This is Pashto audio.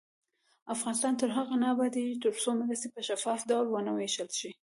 افغانستان تر هغو نه ابادیږي، ترڅو مرستې په شفاف ډول ونه ویشل شي.